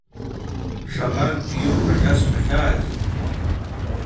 Шаҟантәгьы ихәра ҿасҳәахьааз.